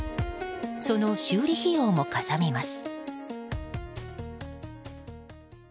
その修理費用もかさみます。